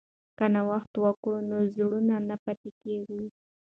که نوښت وکړو نو زوړ نه پاتې کیږو.